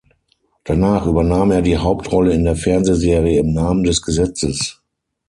Danach übernahm er die Hauptrolle in der Fernsehserie "Im Namen des Gesetzes".